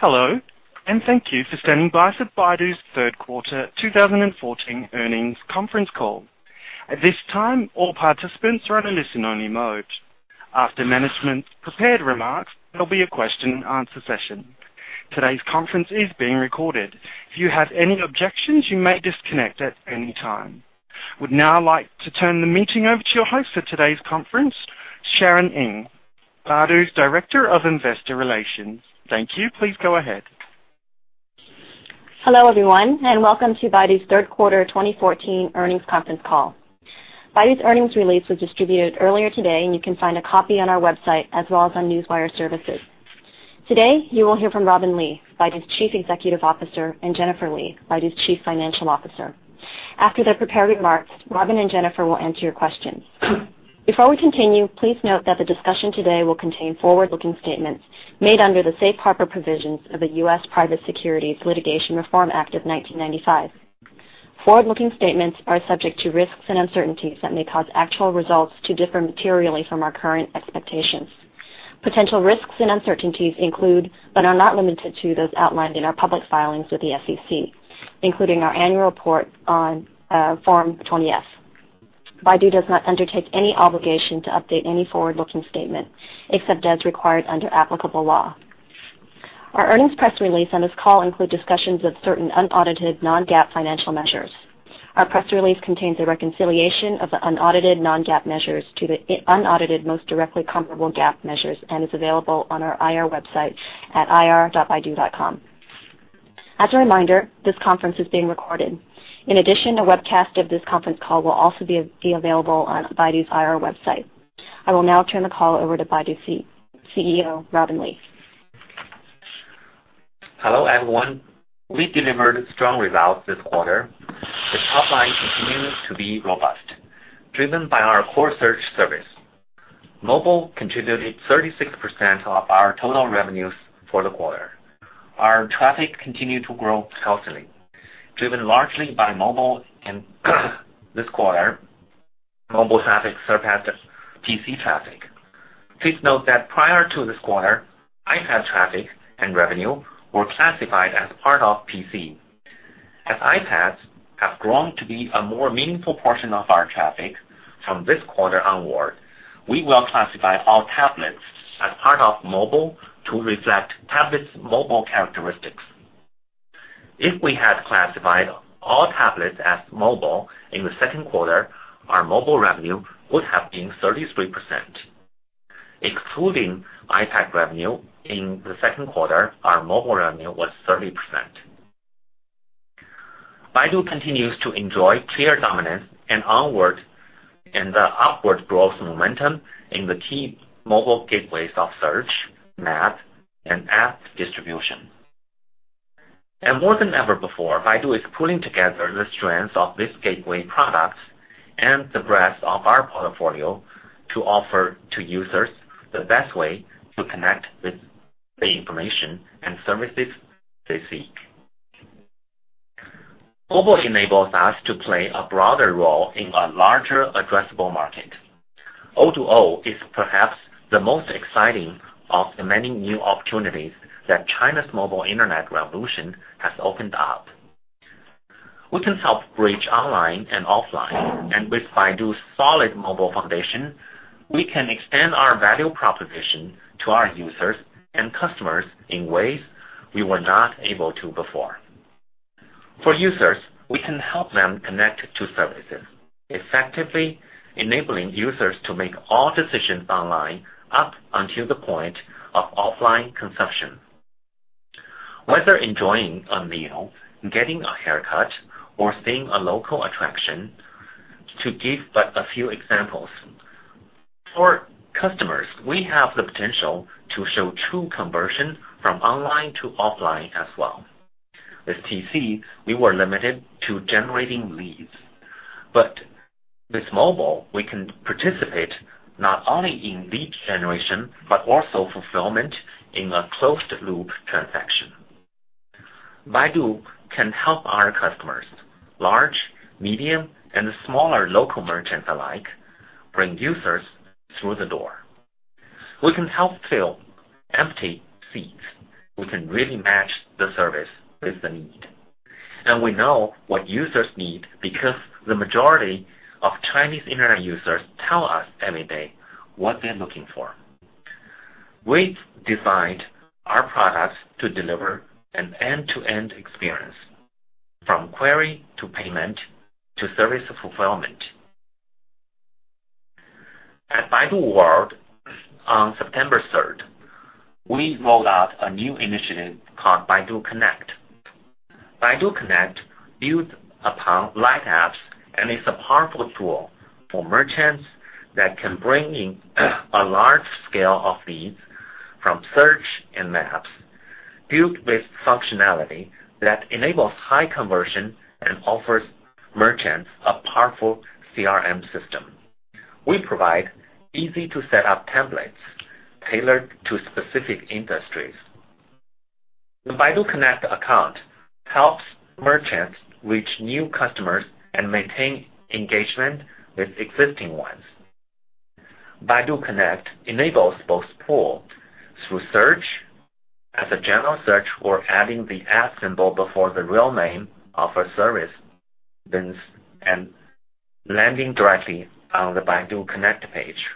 Hello, and thank you for standing by for Baidu's third quarter 2014 earnings conference call. At this time, all participants are in a listen only mode. After management's prepared remarks, there will be a question and answer session. Today's conference is being recorded. If you have any objections, you may disconnect at any time. Would now like to turn the meeting over to your host for today's conference, Sharon Ng, Baidu's Director of Investor Relations. Thank you. Please go ahead. Hello, everyone, and welcome to Baidu's third quarter 2014 earnings conference call. Baidu's earnings release was distributed earlier today, and you can find a copy on our website as well as on Newswire services. Today, you will hear from Robin Li, Baidu's Chief Executive Officer, and Jennifer Li, Baidu's Chief Financial Officer. After their prepared remarks, Robin and Jennifer will answer your questions. Before we continue, please note that the discussion today will contain forward-looking statements made under the Safe Harbor provisions of the U.S. Private Securities Litigation Reform Act of 1995. Forward-looking statements are subject to risks and uncertainties that may cause actual results to differ materially from our current expectations. Potential risks and uncertainties include, but are not limited to, those outlined in our public filings with the SEC, including our annual report on Form 20-F. Baidu does not undertake any obligation to update any forward-looking statement, except as required under applicable law. Our earnings press release and this call include discussions of certain unaudited non-GAAP financial measures. Our press release contains a reconciliation of the unaudited non-GAAP measures to the unaudited most directly comparable GAAP measures and is available on our IR website at ir.baidu.com. As a reminder, this conference is being recorded. In addition, a webcast of this conference call will also be available on Baidu's IR website. I will now turn the call over to Baidu's CEO, Robin Li. Hello, everyone. We delivered strong results this quarter. The top line continued to be robust, driven by our core search service. Mobile contributed 36% of our total revenues for the quarter. Our traffic continued to grow healthily, driven largely by mobile in this quarter, mobile traffic surpassed PC traffic. Please note that prior to this quarter, iPad traffic and revenue were classified as part of PC. As iPads have grown to be a more meaningful portion of our traffic, from this quarter onward, we will classify all tablets as part of mobile to reflect tablets mobile characteristics. If we had classified all tablets as mobile in the second quarter, our mobile revenue would have been 33%. Excluding iPad revenue in the second quarter, our mobile revenue was 30%. Baidu continues to enjoy clear dominance and the upward growth momentum in the key mobile gateways of search, map, and app distribution. More than ever before, Baidu is pulling together the strands of this gateway products and the breadth of our portfolio to offer to users the best way to connect with the information and services they seek. Mobile enables us to play a broader role in a larger addressable market. O2O is perhaps the most exciting of the many new opportunities that China's mobile internet revolution has opened up. We can help bridge online and offline, and with Baidu's solid mobile foundation, we can extend our value proposition to our users and customers in ways we were not able to before. For users, we can help them connect to services, effectively enabling users to make all decisions online up until the point of offline consumption. Whether enjoying a meal, getting a haircut, or seeing a local attraction, to give but a few examples. For customers, we have the potential to show true conversion from online to offline as well. With PC, we were limited to generating leads. With mobile, we can participate not only in lead generation, but also fulfillment in a closed-loop transaction. Baidu can help our customers, large, medium, and smaller local merchants alike, bring users through the door. We can help fill empty seats. We can really match the service with the need. We know what users need because the majority of Chinese internet users tell us every day what they're looking for. We've designed our products to deliver an end-to-end experience, from query to payment to service fulfillment. At Baidu World, on September 3rd, we rolled out a new initiative called Baidu CarLife. Baidu CarLife builds upon light apps and is a powerful tool for merchants that can bring in a large scale of leads from search and maps, built with functionality that enables high conversion and offers merchants a powerful CRM system. We provide easy-to-set-up templates tailored to specific industries. The Baidu CarLife account helps merchants reach new customers and maintain engagement with existing ones. Baidu CarLife enables both pull through search as a general search or adding the at symbol before the real name of a service, and landing directly on the Baidu CarLife page,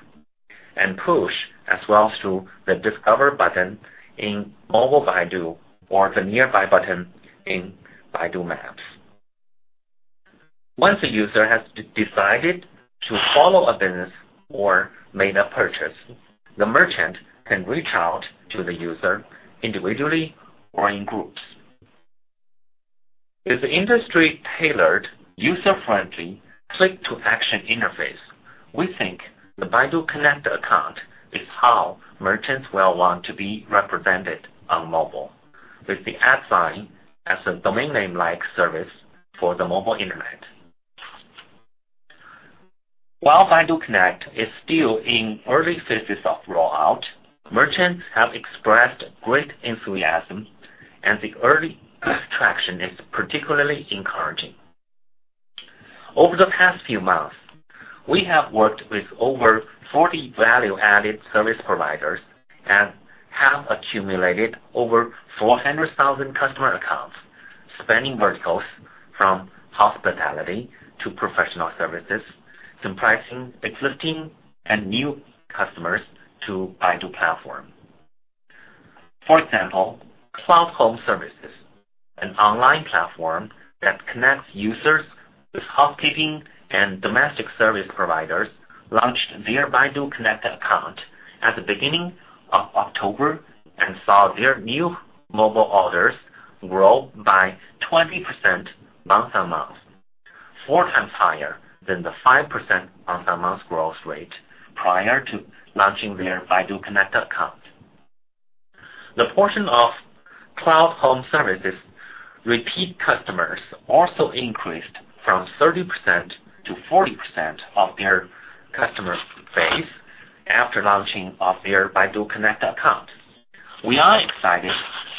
and push as well through the Discover button in Mobile Baidu or the Nearby button in Baidu Maps. Once a user has decided to follow a business or made a purchase, the merchant can reach out to the user individually or in groups. With the industry-tailored, user-friendly, click-to-action interface, we think the Baidu CarLife account is how merchants will want to be represented on mobile with the at sign as a domain name-like service for the mobile internet. While Baidu CarLife is still in early phases of rollout, merchants have expressed great enthusiasm, and the early traction is particularly encouraging. Over the past few months, we have worked with over 40 value-added service providers and have accumulated over 400,000 customer accounts, spanning verticals from hospitality to professional services, comprising existing and new customers to Baidu platform. For example, Cloud Home Services, an online platform that connects users with housekeeping and domestic service providers, launched their Baidu CarLife account at the beginning of October and saw their new mobile orders grow by 20% month-on-month, four times higher than the 5% month-on-month growth rate prior to launching their Baidu CarLife account. The portion of Cloud Home Services repeat customers also increased from 30% to 40% of their customer base after launching of their Baidu CarLife account. We are excited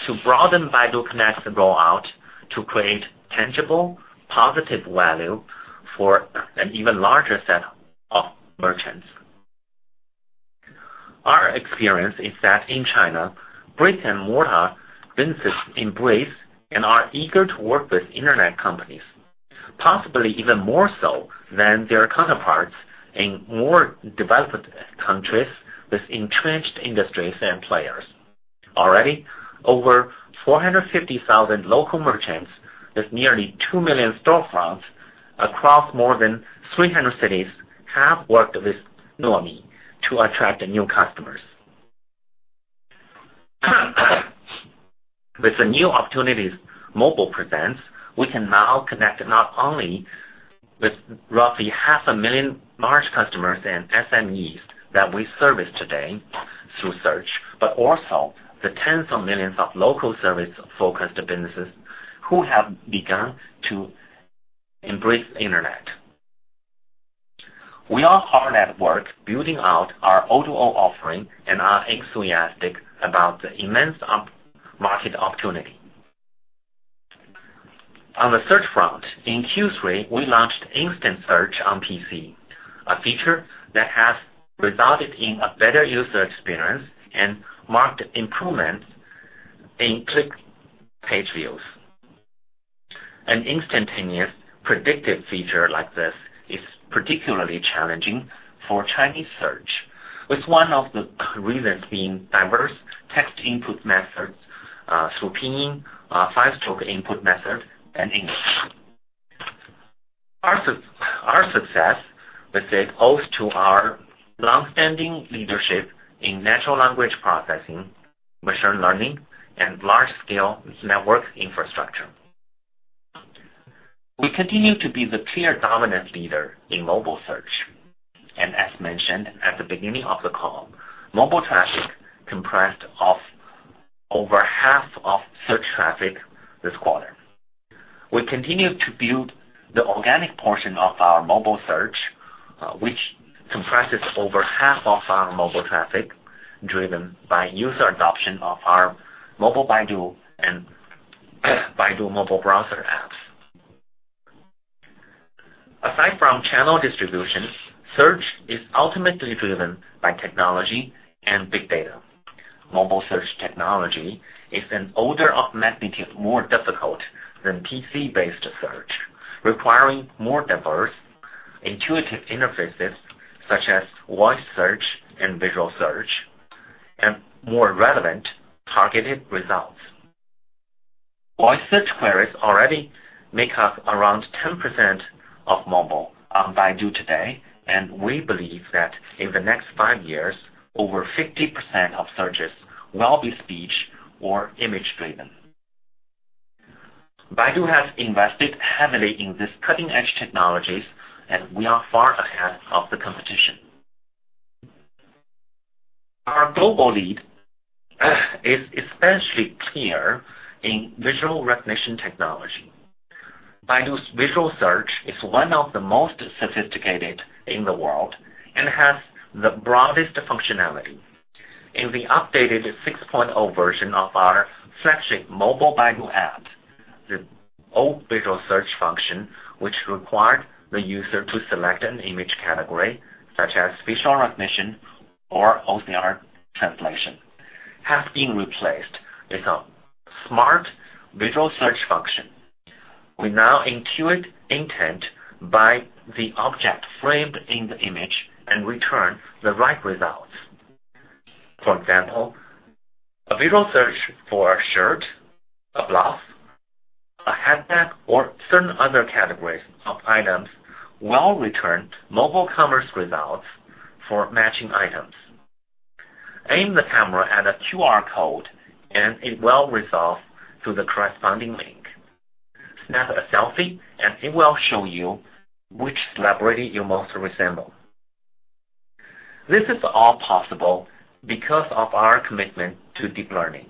to broaden Baidu CarLife’s rollout to create tangible, positive value for an even larger set of merchants. Our experience is that in China, brick-and-mortar businesses embrace and are eager to work with Internet companies, possibly even more so than their counterparts in more developed countries with entrenched industries and players. Already, over 450,000 local merchants with nearly 2 million storefronts across more than 300 cities have worked with Nuomi to attract new customers. With the new opportunities mobile presents, we can now connect not only with roughly half a million large customers and SMEs that we service today through search, but also the tens of millions of local service-focused businesses who have begun to embrace the Internet. We are hard at work building out our O2O offering and are enthusiastic about the immense market opportunity. On the search front, in Q3, we launched Instant Search on PC, a feature that has resulted in a better user experience and marked improvements in click-through page views. An instantaneous predictive feature like this is particularly challenging for Chinese search, with one of the reasons being diverse text input methods through pinyin, five-stroke input method, and English. Our success with it owes to our long-standing leadership in natural language processing, machine learning, and large-scale network infrastructure. We continue to be the clear dominant leader in mobile search. As mentioned at the beginning of the call, mobile traffic comprised of over half of search traffic this quarter. We continue to build the organic portion of our mobile search, which comprises over half of our mobile traffic, driven by user adoption of our Mobile Baidu and Baidu mobile browser apps. Aside from channel distribution, search is ultimately driven by technology and big data. Mobile search technology is an order of magnitude more difficult than PC-based search, requiring more diverse, intuitive interfaces such as voice search and visual search, and more relevant targeted results. Voice search queries already make up around 10% of mobile on Baidu today, and we believe that in the next five years, over 50% of searches will be speech or image driven. Baidu has invested heavily in these cutting-edge technologies, and we are far ahead of the competition. Our global lead is especially clear in visual recognition technology. Baidu's visual search is one of the most sophisticated in the world and has the broadest functionality. In the updated 6.0 version of our flagship Mobile Baidu app, the old visual search function, which required the user to select an image category such as facial recognition or OCR translation, has been replaced with a smart visual search function. We now intuit intent by the object framed in the image and return the right results. For example, a visual search for a shirt, a blouse, a handbag, or certain other categories of items will return mobile commerce results for matching items. Aim the camera at a QR code and it will resolve to the corresponding link. Snap a selfie and it will show you which celebrity you most resemble. This is all possible because of our commitment to deep learning,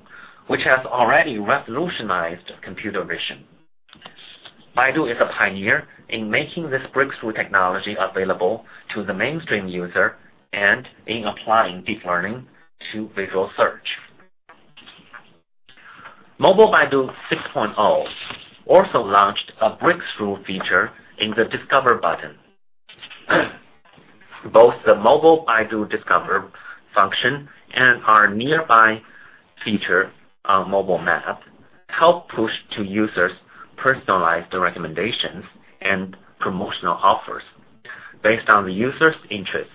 which has already revolutionized computer vision. Baidu is a pioneer in making this breakthrough technology available to the mainstream user and in applying deep learning to visual search. Mobile Baidu 6.0 also launched a breakthrough feature in the Discover button. Both the Mobile Baidu Discover function and our Nearby feature on Mobile Map help push to users personalized recommendations and promotional offers based on the user's interests,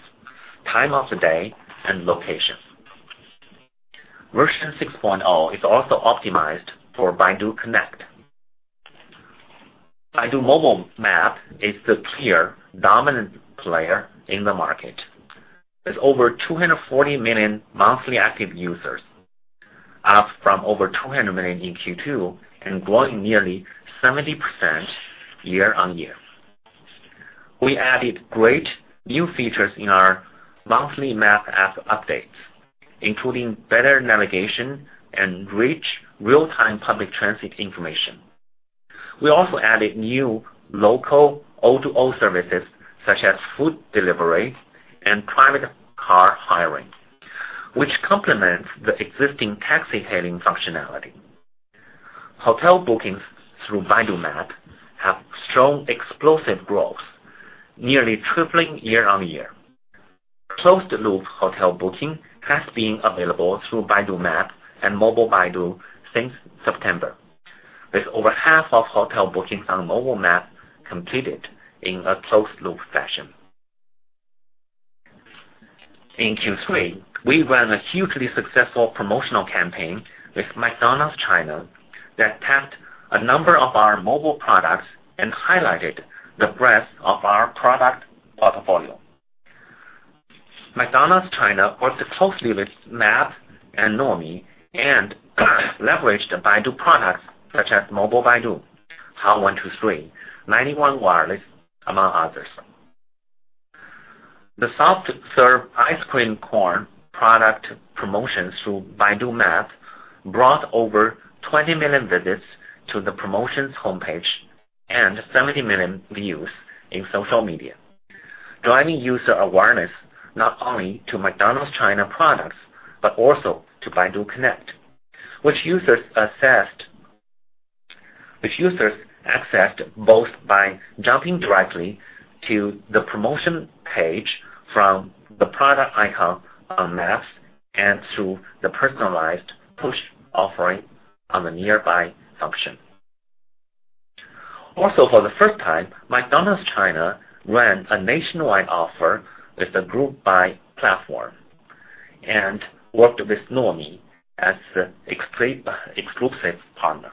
time of the day, and location. Version 6.0 is also optimized for Baidu CarLife. Baidu Mobile Map is the clear dominant player in the market. With over 240 million monthly active users, up from over 200 million in Q2 and growing nearly 70% year-on-year. We added great new features in our monthly map app updates, including better navigation and rich real-time public transit information. We also added new local O2O services such as food delivery and private car hiring, which complements the existing taxi hailing functionality. Hotel bookings through Baidu Map have shown explosive growth, nearly tripling year-on-year. Closed-loop hotel booking has been available through Baidu Map and Mobile Baidu since September. With over half of hotel bookings on Mobile Map completed in a closed-loop fashion. In Q3, we ran a hugely successful promotional campaign with McDonald's China that tapped a number of our mobile products and highlighted the breadth of our product portfolio. McDonald's China worked closely with Map and Nuomi and leveraged Baidu products such as Mobile Baidu, Hao123, 91 Wireless, among others. The soft-serve ice cream cone product promotions through Baidu Map brought over 20 million visits to the promotions homepage and 70 million views in social media, driving user awareness not only to McDonald's China products but also to Baidu CarLife, which users accessed both by jumping directly to the promotion page from the product icon on Maps and through the personalized push offering on the Nearby function. For the first time, McDonald's China ran a nationwide offer with the group buy platform and worked with Nuomi as the exclusive partner.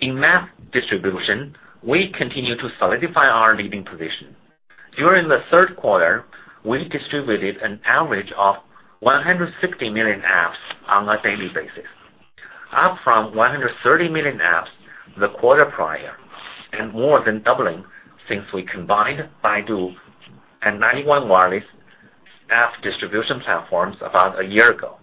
In map distribution, we continue to solidify our leading position. During the third quarter, we distributed an average of 160 million apps on a daily basis, up from 130 million apps the quarter prior, and more than doubling since we combined Baidu and 91 Wireless app distribution platforms about a year ago.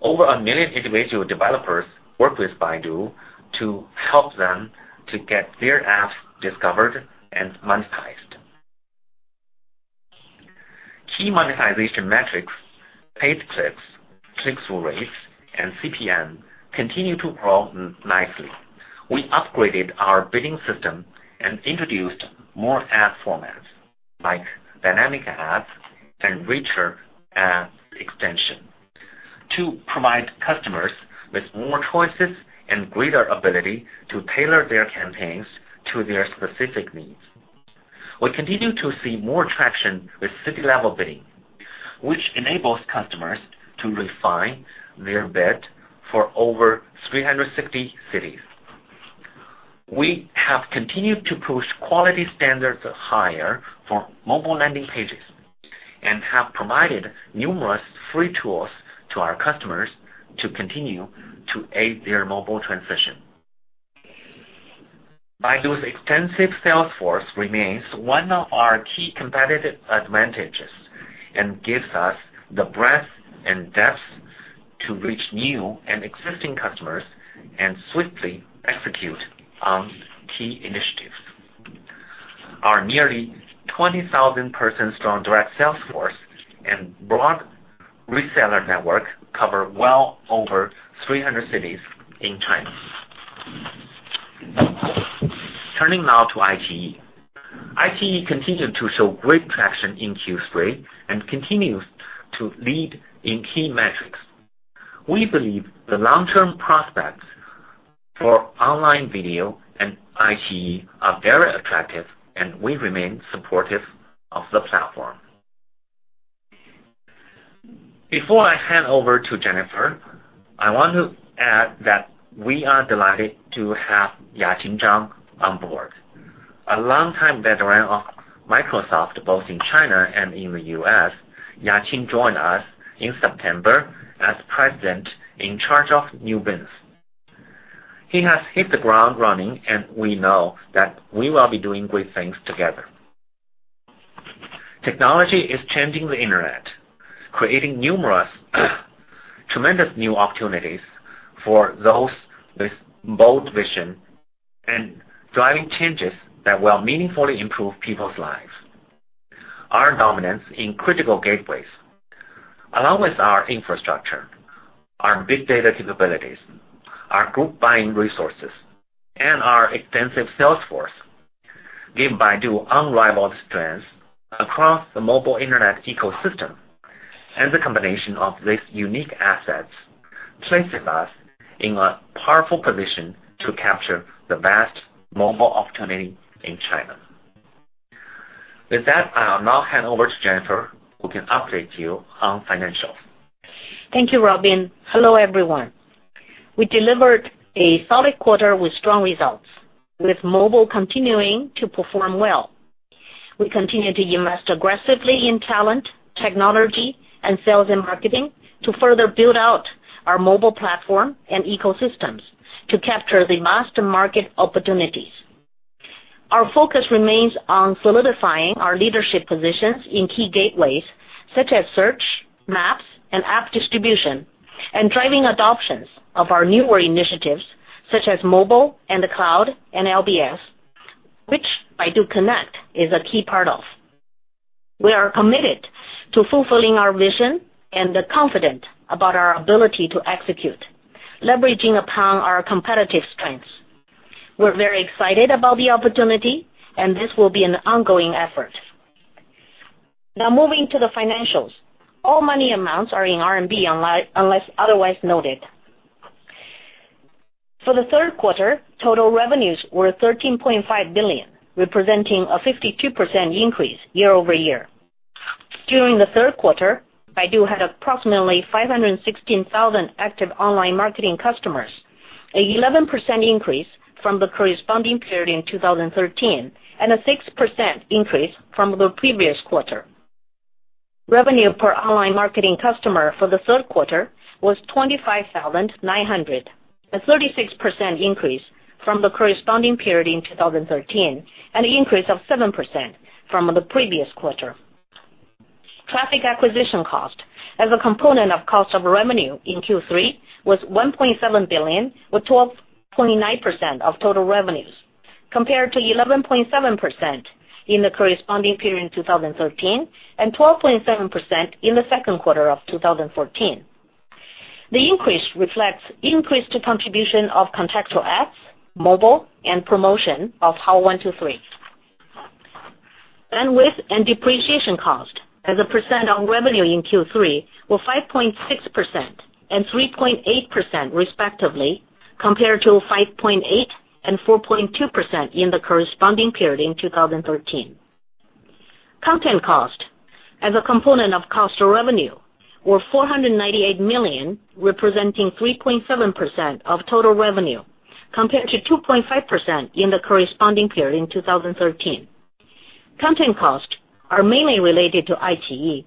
Over a million individual developers work with Baidu to help them to get their apps discovered and monetized. Key monetization metrics, paid clicks, click-through rates, and CPM continued to grow nicely. We upgraded our bidding system and introduced more ad formats like dynamic ads and richer ad extension to provide customers with more choices and greater ability to tailor their campaigns to their specific needs. We continue to see more traction with city-level bidding, which enables customers to refine their bid for over 360 cities. We have continued to push quality standards higher for mobile landing pages and have provided numerous free tools to our customers to continue to aid their mobile transition. Baidu's extensive sales force remains one of our key competitive advantages and gives us the breadth and depth to reach new and existing customers and swiftly execute on key initiatives. Our nearly 20,000 person strong direct sales force and broad reseller network cover well over 300 cities in China. Turning now to iQIYI. iQIYI continued to show great traction in Q3 and continues to lead in key metrics. We believe the long-term prospects for online video and iQIYI are very attractive, and we remain supportive of the platform. Before I hand over to Jennifer, I want to add that we are delighted to have Ya-Qin Zhang on board. A long time veteran of Microsoft, both in China and in the U.S., Yaqing joined us in September as president in charge of new business. He has hit the ground running, and we know that we will be doing great things together. Technology is changing the internet, creating numerous tremendous new opportunities for those with bold vision and driving changes that will meaningfully improve people's lives. Our dominance in critical gateways, along with our infrastructure, our big data capabilities, our group buying resources, and our extensive sales force give Baidu unrivaled strengths across the mobile internet ecosystem. The combination of these unique assets places us in a powerful position to capture the vast mobile opportunity in China. With that, I'll now hand over to Jennifer, who can update you on financials. Thank you, Robin. Hello, everyone. We delivered a solid quarter with strong results, with mobile continuing to perform well. We continue to invest aggressively in talent, technology, and sales and marketing to further build out our mobile platform and ecosystems to capture the vast market opportunities. Our focus remains on solidifying our leadership positions in key gateways such as search, maps, and app distribution, and driving adoptions of our newer initiatives such as mobile and the cloud and LBS, which Baidu CarLife is a key part of. We are committed to fulfilling our vision and are confident about our ability to execute, leveraging upon our competitive strengths. We're very excited about the opportunity and this will be an ongoing effort. Now moving to the financials. All money amounts are in RMB unless otherwise noted. For the third quarter, total revenues were 13.5 billion, representing a 52% increase year-over-year. During the third quarter, Baidu had approximately 516,000 active online marketing customers, an 11% increase from the corresponding period in 2013 and a 6% increase from the previous quarter. Revenue per online marketing customer for the third quarter was 25,900, a 36% increase from the corresponding period in 2013 and an increase of 7% from the previous quarter. Traffic acquisition cost as a component of cost of revenue in Q3 was 1.7 billion, or 12.9% of total revenues, compared to 11.7% in the corresponding period in 2013 and 12.7% in the second quarter of 2014. The increase reflects increased contribution of contextual ads, mobile, and promotion of Hao123. Bandwidth and depreciation cost as a % of revenue in Q3 were 5.6% and 3.8% respectively, compared to 5.8% and 4.2% in the corresponding period in 2013. Content cost as a component of cost of revenue were 498 million, representing 3.7% of total revenue, compared to 2.5% in the corresponding period in 2013. Content costs are mainly related to iQIYI.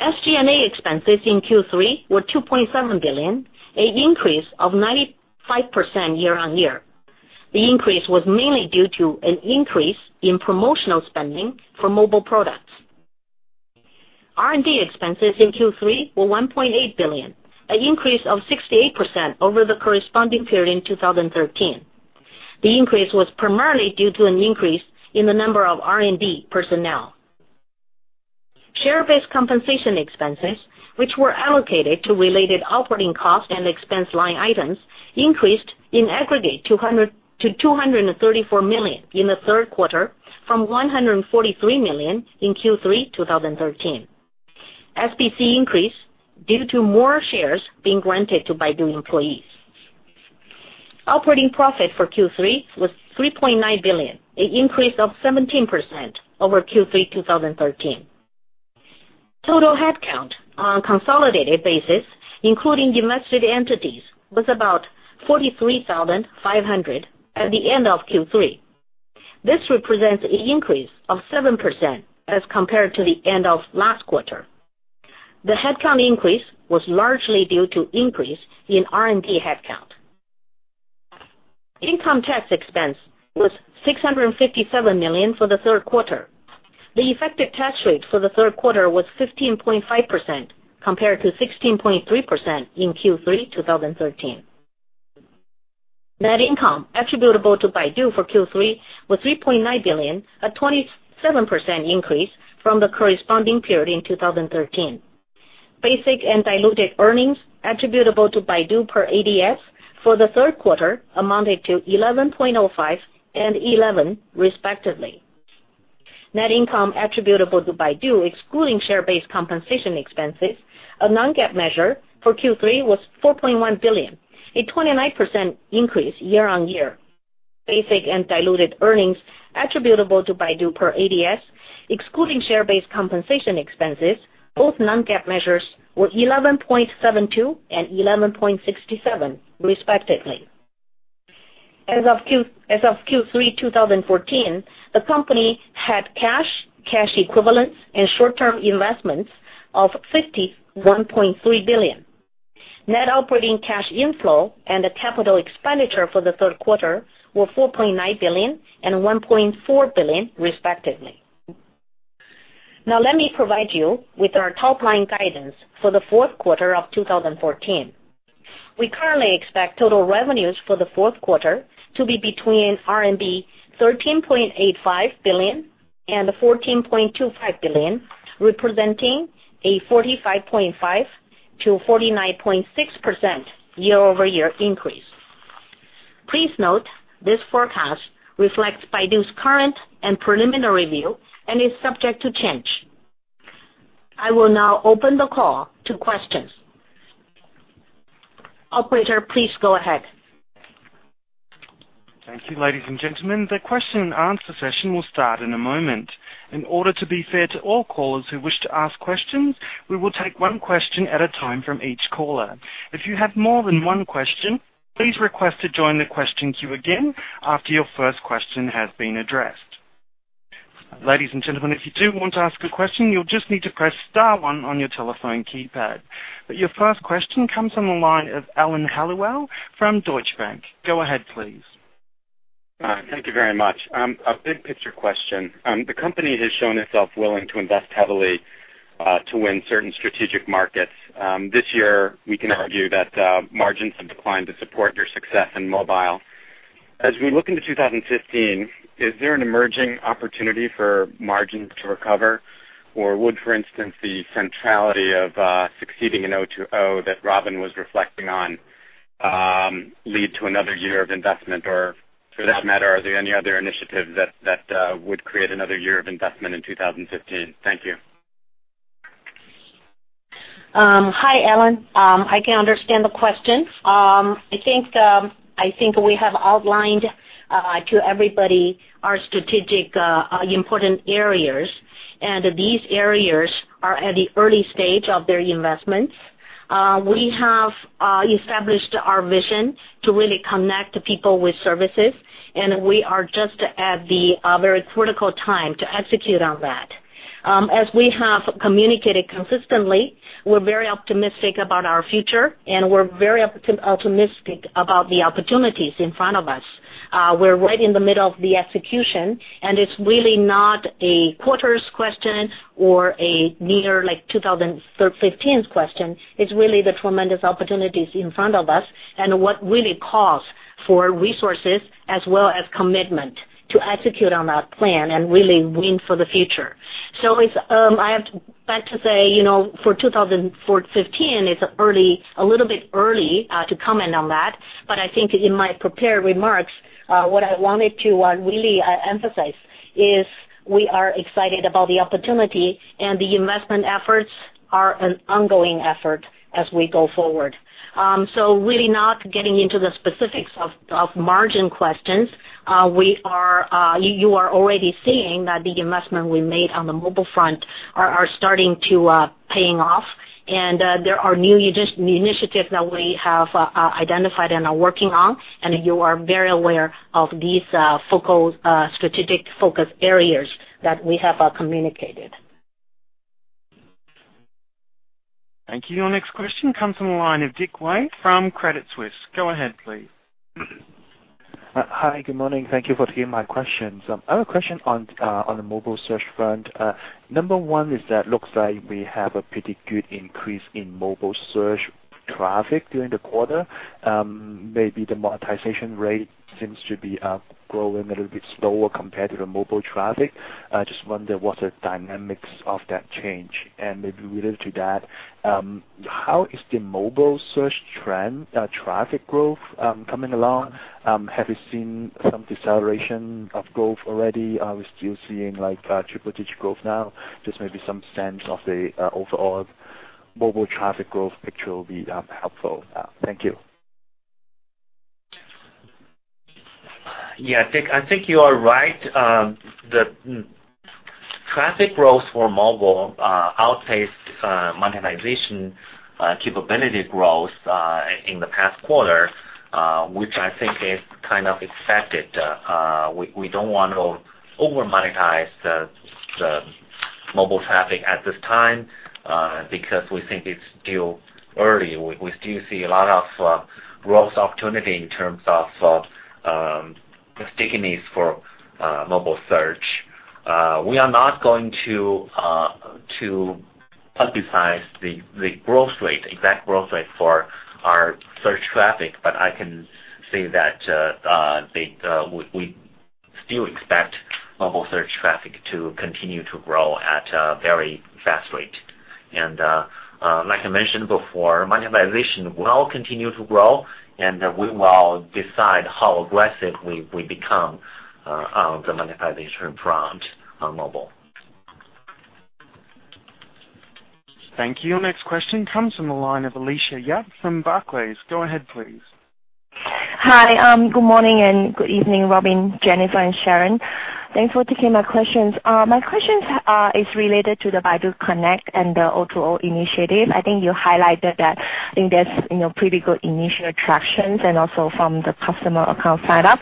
SG&A expenses in Q3 were 2.7 billion, an increase of 95% year-on-year. The increase was mainly due to an increase in promotional spending for mobile products. R&D expenses in Q3 were CNY 1.8 billion, an increase of 68% over the corresponding period in 2013. The increase was primarily due to an increase in the number of R&D personnel. Share-based compensation expenses, which were allocated to related operating costs and expense line items, increased in aggregate to 234 million in the third quarter from 143 million in Q3 2013. SBC increased due to more shares being granted to Baidu employees. Operating profit for Q3 was 3.9 billion, an increase of 17% over Q3 2013. Total headcount on a consolidated basis, including invested entities, was about 43,500 at the end of Q3. This represents an increase of 7% as compared to the end of last quarter. The headcount increase was largely due to increase in R&D headcount. Income tax expense was 657 million for the third quarter. The effective tax rate for the third quarter was 15.5%, compared to 16.3% in Q3 2013. Net income attributable to Baidu for Q3 was 3.9 billion, a 27% increase from the corresponding period in 2013. Basic and diluted earnings attributable to Baidu per ADS for the third quarter amounted to 11.05 and 11 respectively. Net income attributable to Baidu, excluding share-based compensation expenses, a non-GAAP measure for Q3 was 4.1 billion, a 29% increase year-on-year. Basic and diluted earnings attributable to Baidu per ADS, excluding share-based compensation expenses, both non-GAAP measures, were 11.72 and 11.67 respectively. As of Q3 2014, the company had cash equivalents, and short-term investments of 51.3 billion. Net operating cash inflow and the capital expenditure for the third quarter were 4.9 billion and 1.4 billion respectively. Now let me provide you with our top-line guidance for the fourth quarter of 2014. We currently expect total revenues for the fourth quarter to be between RMB 13.85 billion and 14.25 billion, representing a 45.5%-49.6% year-over-year increase. Please note this forecast reflects Baidu's current and preliminary view and is subject to change. I will now open the call to questions. Operator, please go ahead. Thank you, ladies and gentlemen. The question and answer session will start in a moment. In order to be fair to all callers who wish to ask questions, we will take one question at a time from each caller. If you have more than one question, please request to join the question queue again after your first question has been addressed. Ladies and gentlemen, if you do want to ask a question, you'll just need to press star one on your telephone keypad. Your first question comes from the line of Alan Hellawell from Deutsche Bank. Go ahead, please. Thank you very much. A big picture question. The company has shown itself willing to invest heavily to win certain strategic markets. This year, we can argue that margins have declined to support your success in mobile. As we look into 2015, is there an emerging opportunity for margins to recover? Would, for instance, the centrality of succeeding in O2O that Robin was reflecting on lead to another year of investment? For that matter, are there any other initiatives that would create another year of investment in 2015? Thank you. Hi, Alan. I can understand the question. I think we have outlined to everybody our strategic important areas, and these areas are at the early stage of their investments. We have established our vision to really connect people with services, and we are just at the very critical time to execute on that. As we have communicated consistently, we're very optimistic about our future, and we're very optimistic about the opportunities in front of us. We're right in the middle of the execution, and it's really not a quarters question or a near 2015 question. It's really the tremendous opportunities in front of us and what really calls for resources as well as commitment to execute on our plan and really win for the future. I have to say, for 2015, it's a little bit early to comment on that. I think in my prepared remarks, what I wanted to really emphasize is we are excited about the opportunity, and the investment efforts are an ongoing effort as we go forward. Really not getting into the specifics of margin questions. You are already seeing that the investment we made on the mobile front are starting to paying off, and there are new initiatives that we have identified and are working on, and you are very aware of these strategic focus areas that we have communicated. Thank you. Our next question comes from the line of Dick Wei from Credit Suisse. Go ahead, please. Hi. Good morning. Thank you for taking my questions. I have a question on the mobile search front. Number one is that looks like we have a pretty good increase in mobile search traffic during the quarter. Maybe the monetization rate seems to be growing a little bit slower compared to the mobile traffic. I just wonder what the dynamics of that change and maybe related to that, how is the mobile search trend traffic growth coming along? Have you seen some deceleration of growth already? Are we still seeing triple digit growth now? Just maybe some sense of the overall mobile traffic growth picture will be helpful. Thank you. Yeah, Dick, I think you are right. The traffic growth for mobile outpaced monetization capability growth in the past quarter, which I think is kind of expected. We don't want to over-monetize the Mobile traffic at this time, because we think it's still early. We still see a lot of growth opportunity in terms of stickiness for mobile search. We are not going to publicize the exact growth rate for our search traffic, but I can say that we still expect mobile search traffic to continue to grow at a very fast rate. Like I mentioned before, monetization will continue to grow, and we will decide how aggressive we become on the monetization front on mobile. Thank you. Next question comes from the line of Alicia Yap from Barclays. Go ahead, please. Hi. Good morning and good evening, Robin, Jennifer, and Sharon. Thanks for taking my questions. My question is related to the Baidu CarLife and the O2O initiative. I think you highlighted that there's pretty good initial tractions and also from the customer account sign up.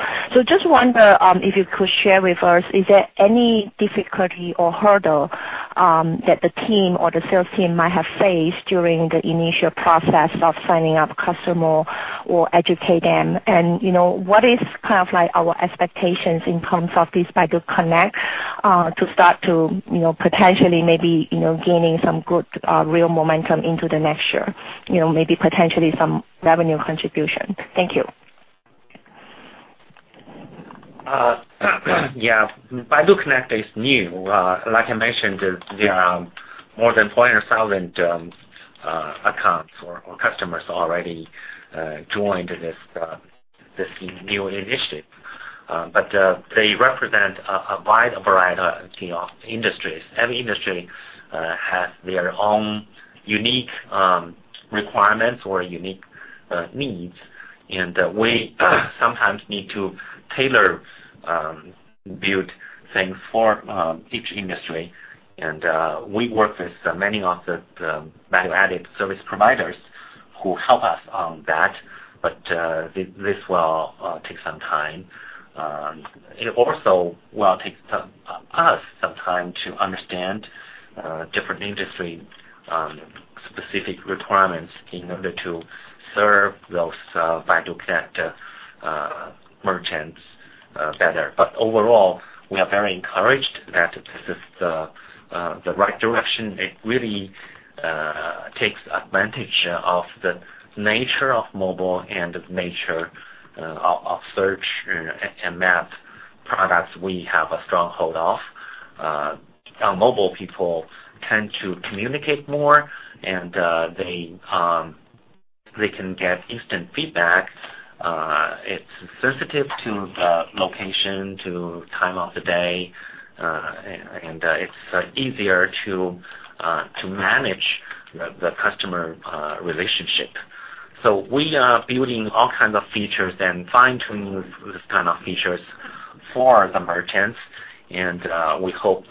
Just wonder if you could share with us, is there any difficulty or hurdle that the team or the sales team might have faced during the initial process of signing up customer or educate them? What is our expectations in terms of this Baidu CarLife to start to potentially maybe gaining some good real momentum into the next year, maybe potentially some revenue contribution? Thank you. Yeah. Baidu CarLife is new. Like I mentioned, there are more than 400,000 accounts or customers already joined this new initiative. They represent a wide variety of industries. Every industry has their own unique requirements or unique needs, and we sometimes need to tailor-build things for each industry. We work with many of the value-added service providers who help us on that. This will take some time. It also will take us some time to understand different industry-specific requirements in order to serve those Baidu CarLife merchants better. Overall, we are very encouraged that this is the right direction. It really takes advantage of the nature of mobile and the nature of search and map products we have a strong hold of. On mobile, people tend to communicate more, and they can get instant feedback. It's sensitive to location, to time of the day, and it's easier to manage the customer relationship. We are building all kinds of features and fine-tuning this kind of features for the merchants, and we hope,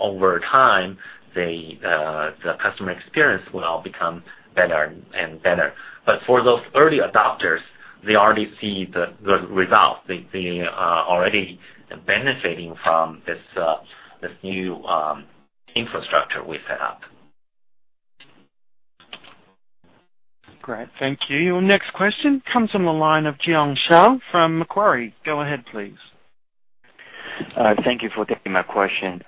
over time, the customer experience will become better and better. For those early adopters, they already see the results. They are already benefiting from this new infrastructure we set up. Great. Thank you. Next question comes from the line of Jeong Seo from Macquarie. Go ahead, please. Thank you for taking my question.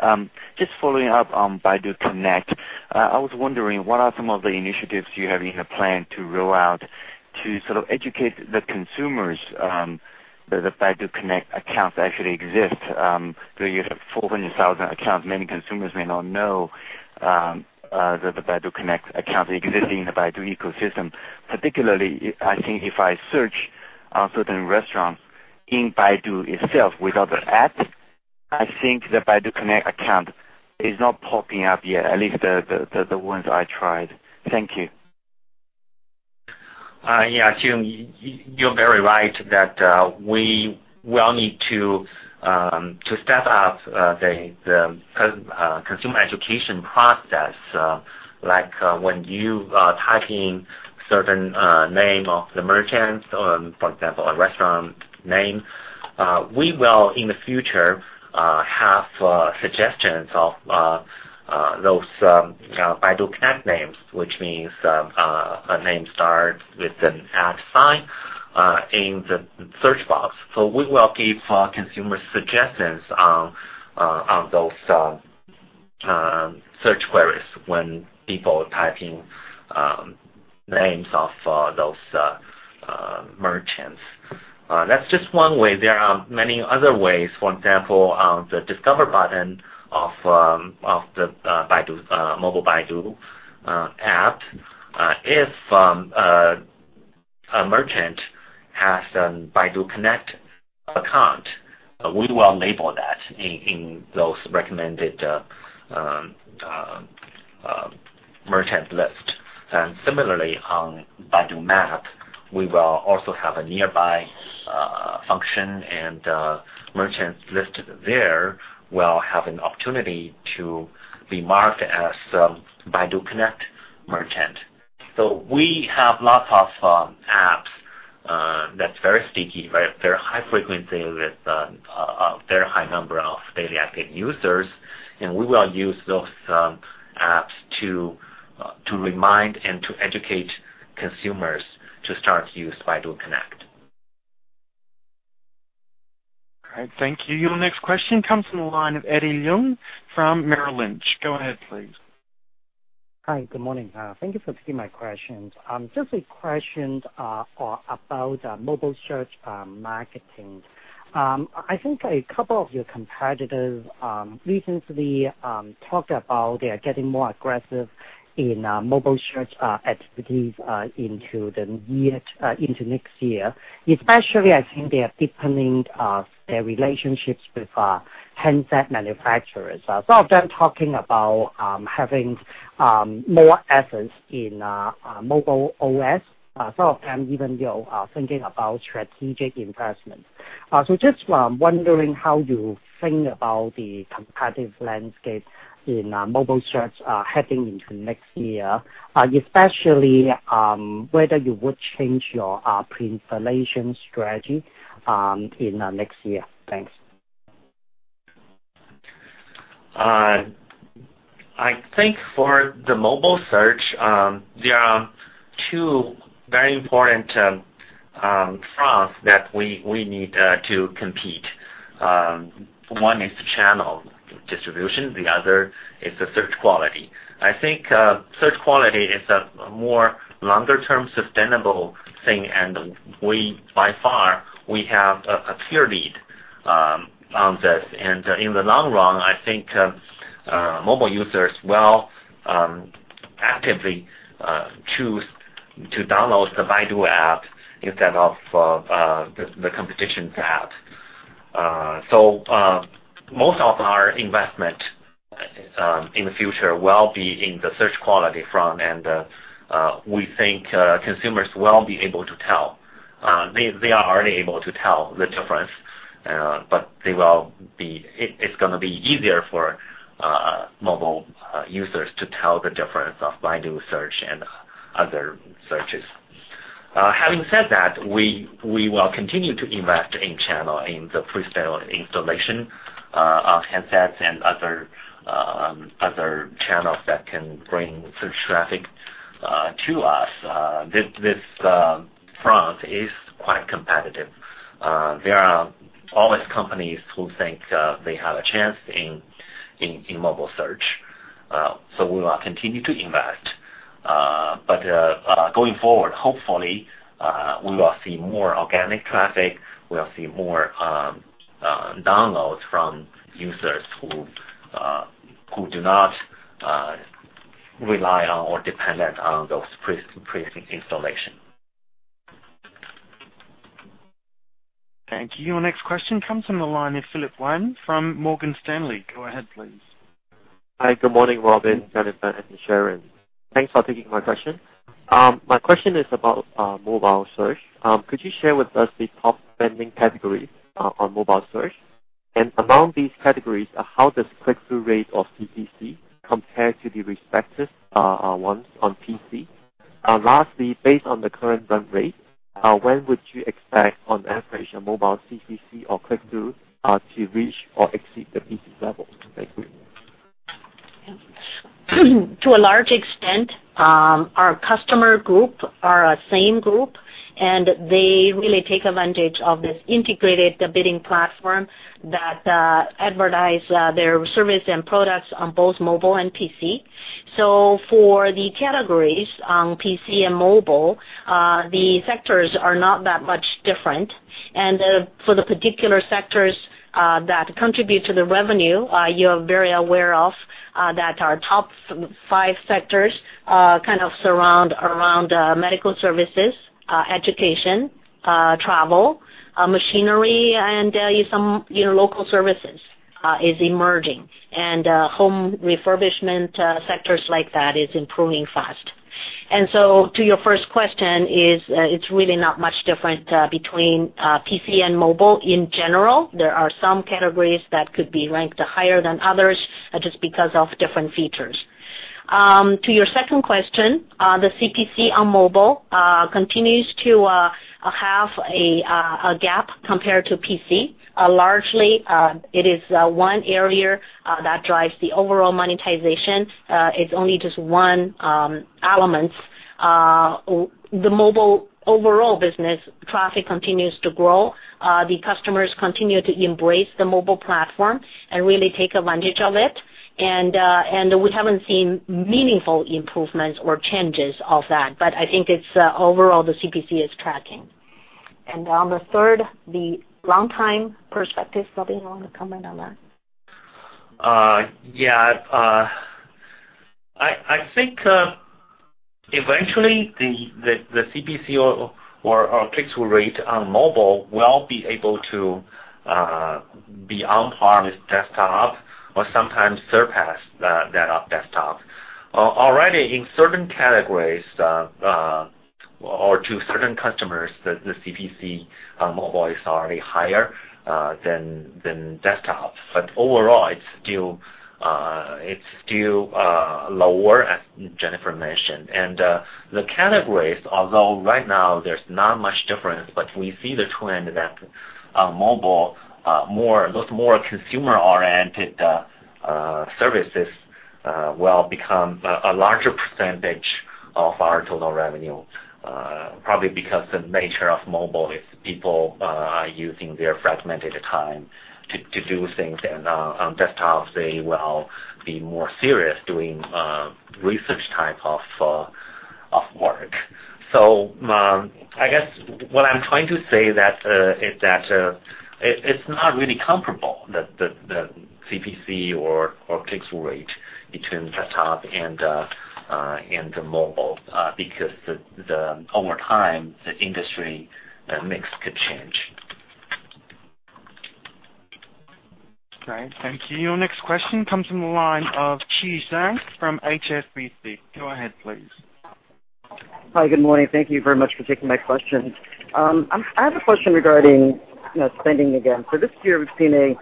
Just following up on Baidu CarLife. I was wondering, what are some of the initiatives you have in a plan to roll out to sort of educate the consumers that the Baidu CarLife accounts actually exist? Though you have 400,000 accounts, many consumers may not know that the Baidu CarLife accounts exist in the Baidu ecosystem. Particularly, I think if I search on certain restaurants in Baidu itself without the app, I think the Baidu CarLife account is not popping up yet, at least the ones I tried. Thank you. Yeah, Jeong, you're very right that we will need to step up the consumer education process, like when you type in certain name of the merchants, for example, a restaurant name. We will, in the future, have suggestions of those Baidu CarLife names, which means a name start with an @ sign in the search box. We will give consumer suggestions on those search queries when people are typing names of those merchants. That's just one way. There are many other ways. For example, the Discover button of the Mobile Baidu app. If a merchant has a Baidu CarLife account, we will label that in those recommended merchant lists. Similarly, on Baidu Map, we will also have a nearby function, and merchants listed there will have an opportunity to be marked as Baidu CarLife merchant. We have lots of apps That's very sticky, very high frequency with a very high number of daily active users. We will use those apps to remind and to educate consumers to start to use Baidu CarLife. All right. Thank you. Your next question comes from the line of Eddie Leung from Merrill Lynch. Go ahead, please. Hi, good morning. Thank you for taking my questions. Just a question about mobile search marketing. I think a couple of your competitors recently talked about they are getting more aggressive in mobile search activities into next year. Especially, I think they are deepening their relationships with handset manufacturers. Some of them talking about having more assets in mobile OS. Some of them even though are thinking about strategic investments. Just wondering how you think about the competitive landscape in mobile search heading into next year, especially, whether you would change your pre-installation strategy in next year. Thanks. I think for the mobile search, there are two very important fronts that we need to compete. One is the channel distribution, the other is the search quality. I think search quality is a more longer-term sustainable thing, by far, we have a clear lead on this. In the long run, I think mobile users will actively choose to download the Baidu app instead of the competition's app. Most of our investment in the future will be in the search quality front, and we think consumers will be able to tell. They are already able to tell the difference, but it's going to be easier for mobile users to tell the difference of Baidu search and other searches. Having said that, we will continue to invest in channel, in the pre-installation of handsets and other channels that can bring search traffic to us. This front is quite competitive. There are always companies who think they have a chance in mobile search. We will continue to invest. Going forward, hopefully, we will see more organic traffic, we'll see more downloads from users who do not rely on or dependent on those pre-installation. Thank you. Our next question comes from the line of Philip Wan from Morgan Stanley. Go ahead, please. Hi, good morning, Robin, Jennifer, and Sharon. Thanks for taking my question. My question is about mobile search. Could you share with us the top spending categories on mobile search? Among these categories, how does click-through rate of CPC compare to the respective ones on PC? Lastly, based on the current run rate, when would you expect, on average, your mobile CPC or click-through to reach or exceed the PC level? Thank you. To a large extent, our customer group are a same group, they really take advantage of this integrated bidding platform that advertise their service and products on both mobile and PC. For the categories on PC and mobile, the sectors are not that much different. For the particular sectors that contribute to the revenue, you are very aware of that our top 5 sectors kind of surround around medical services, education, travel, machinery, and some local services is emerging. Home refurbishment sectors like that is improving fast. To your first question, it's really not much different between PC and mobile in general. There are some categories that could be ranked higher than others just because of different features. To your second question, the CPC on mobile continues to have a gap compared to PC. Largely, it is one area that drives the overall monetization. It's only just one element. The mobile overall business traffic continues to grow. The customers continue to embrace the mobile platform and really take advantage of it. We haven't seen meaningful improvements or changes of that. I think overall, the CPC is tracking. On the 3rd, the long time perspective, Robin, you want to comment on that? Yeah. I think eventually, the CPC or our click-through rate on mobile will be able to be on par with desktop or sometimes surpass that of desktop. Already in certain categories or to certain customers, the CPC mobile is already higher than desktop. Overall, it's still lower, as Jennifer mentioned. The categories, although right now there's not much difference, but we see the trend that mobile, those more consumer-oriented services will become a larger percentage of our total revenue. Probably because the nature of mobile is people are using their fragmented time to do things, and on desktops, they will be more serious doing research type of work. I guess what I'm trying to say is that it's not really comparable, the CPC or clicks rate between desktop and the mobile, because over time, the industry mix could change. Great. Thank you. Next question comes from the line of Chi Zhang from HSBC. Go ahead, please. Hi. Good morning. Thank you very much for taking my questions. I have a question regarding spending again. This year, we've seen a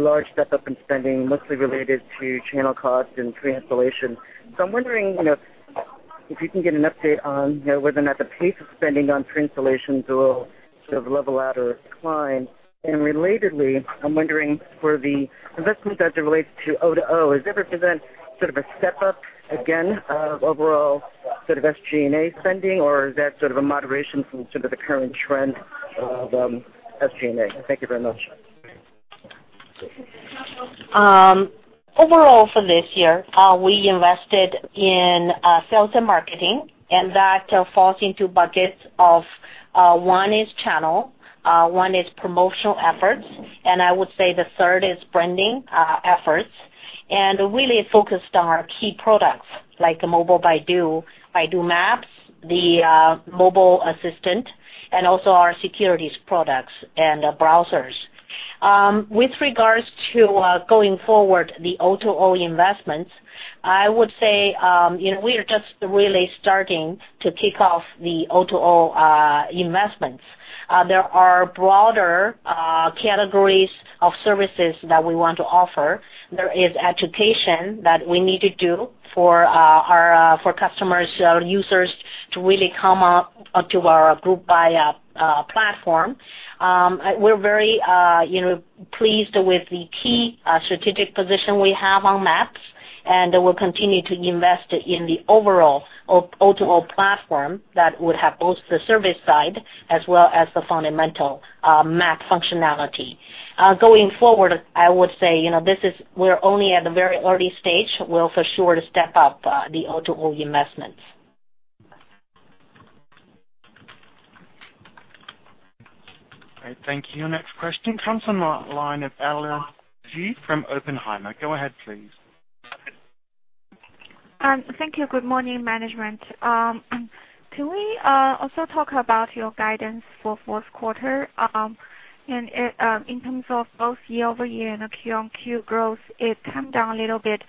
large step-up in spending, mostly related to channel costs and pre-installation. I'm wondering if you can give an update on whether or not the pace of spending on pre-installation will sort of level out or decline. Relatedly, I'm wondering for the investments as it relates to O2O, does it represent sort of a step-up again of overall sort of SG&A spending, or is that sort of a moderation from sort of the current trend of SG&A? Thank you very much. Overall, for this year, we invested in sales and marketing, and that falls into buckets of one is channel, one is promotional efforts, and I would say the third is branding efforts. Really focused on our key products like Mobile Baidu Maps, the mobile assistant, and also our securities products and browsers. With regards to going forward, the O2O investments, I would say we are just really starting to kick off the O2O investments. There are broader categories of services that we want to offer. There is education that we need to do for customers, our users, to really come on to our group buy platform. We're very pleased with the key strategic position we have on Maps, and we'll continue to invest in the overall O2O platform that would have both the service side as well as the fundamental map functionality. Going forward, I would say we're only at the very early stage. We'll for sure step up the O2O investments. Great. Thank you. Next question comes from the line of Ella Ji from Oppenheimer. Go ahead, please. Thank you. Good morning, management. Can we also talk about your guidance for fourth quarter? In terms of both year-over-year and Q-on-Q growth, it came down a little bit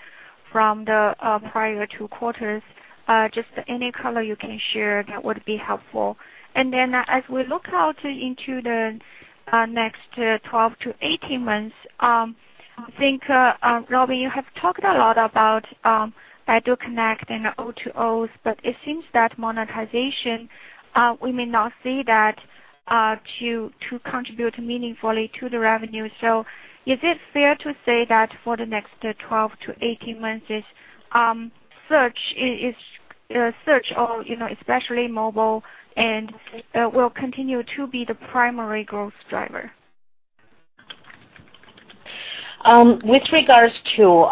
from the prior two quarters. Just any color you can share, that would be helpful. Then as we look out into the next 12 to 18 months, I think, Robin, you have talked a lot about Baidu CarLife and O2O, but it seems that monetization, we may not see that to contribute meaningfully to the revenue. Is it fair to say that for the next 12 to 18 months, search, especially mobile, will continue to be the primary growth driver? With regards to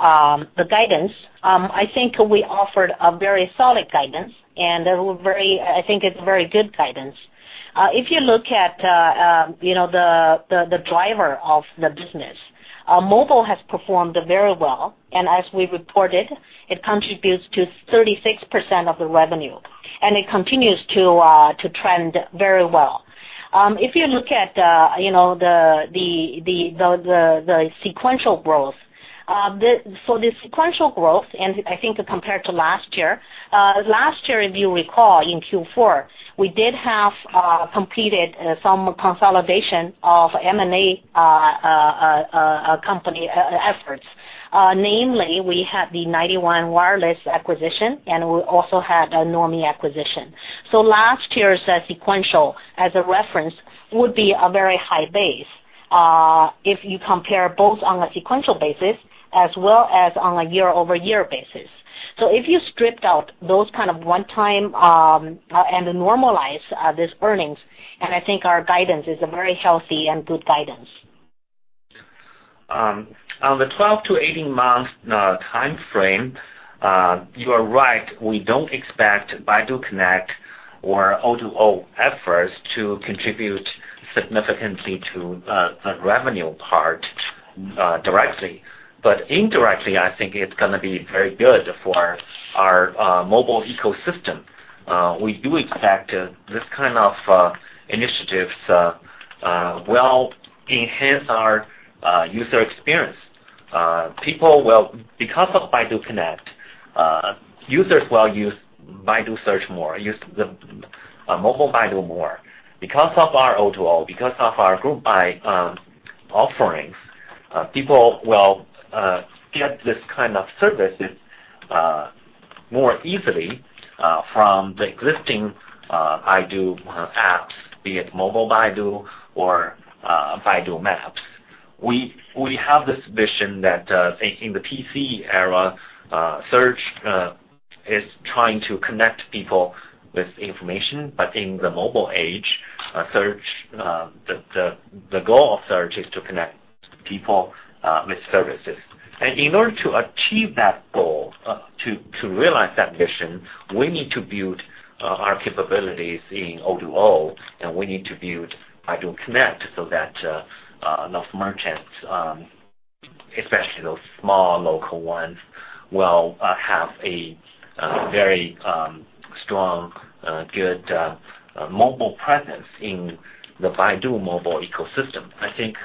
the guidance, I think we offered a very solid guidance, and I think it's very good guidance. If you look at the driver of the business, mobile has performed very well, and as we reported, it contributes to 36% of the revenue, and it continues to trend very well. If you look at the sequential growth, for the sequential growth, and I think compared to last year, last year, if you recall, in Q4, we did have completed some consolidation of M&A company efforts. Namely, we had the 91 Wireless acquisition, and we also had the Nuomi acquisition. Last year's sequential, as a reference, would be a very high base if you compare both on a sequential basis as well as on a year-over-year basis. If you stripped out those kind of one-time and normalize these earnings, and I think our guidance is a very healthy and good guidance. On the 12 to 18 month timeframe, you are right, we don't expect Baidu CarLife or O2O efforts to contribute significantly to the revenue part directly. Indirectly, I think it's going to be very good for our mobile ecosystem. We do expect these kind of initiatives will enhance our user experience. Because of Baidu CarLife, users will use Baidu Search more, use Mobile Baidu more. Because of our O2O, because of our group offerings, people will get this kind of services more easily from the existing Baidu apps, be it Mobile Baidu or Baidu Maps. We have this vision that in the PC era, search is trying to connect people with information, but in the mobile age, the goal of search is to connect people with services. In order to achieve that goal, to realize that vision, we need to build our capabilities in O2O, and we need to build Baidu CarLife so that those merchants, especially those small local ones, will have a very strong, good mobile presence in the Baidu mobile ecosystem. I think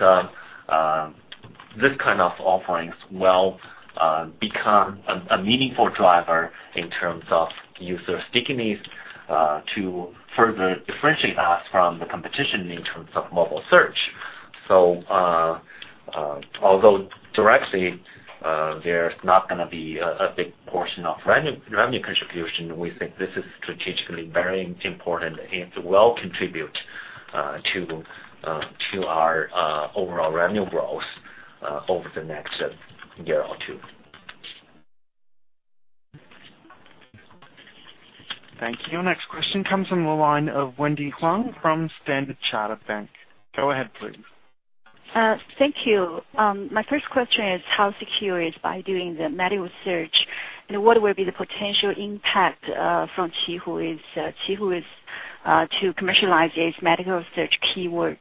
this kind of offerings will become a meaningful driver in terms of user stickiness to further differentiate us from the competition in terms of mobile search. Although directly, there's not going to be a big portion of revenue contribution, we think this is strategically very important and will contribute to our overall revenue growth over the next year or two. Thank you. Next question comes from the line of Wendy Huang from Standard Chartered Bank. Go ahead, please. Thank you. My first question is how secure is Baidu in the medical search, what will be the potential impact from Qihoo to commercialize its medical search keywords